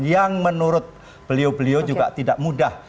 yang menurut beliau beliau juga tidak mudah